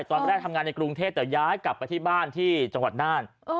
ตอนแรกทำงานในกรุงเทพแต่ย้ายกลับไปที่บ้านที่จังหวัดน่าน